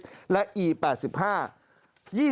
ดีเซล๒๐๓๕บาท๔๔สตางค์ต่อลิตร